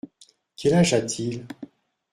Quel âge a-t-il ?